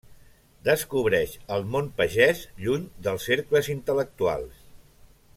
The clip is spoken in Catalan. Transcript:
Descobreix el món pagès, lluny dels cercles intel·lectuals.